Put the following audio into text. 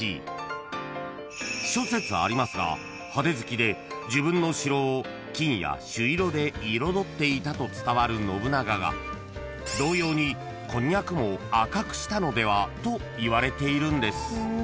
［諸説ありますが派手好きで自分の城を金や朱色で彩っていたと伝わる信長が同様にこんにゃくも赤くしたのではといわれているんです］